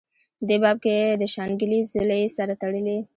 دې باب کې دَشانګلې ضلعې سره تړلي